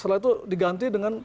setelah itu diganti dengan